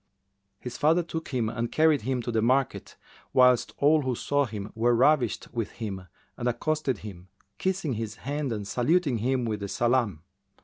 His father took him and carried him to the market, whilst all who saw him were ravished with him and accosted him, kissing his hand and saluting him with the salam.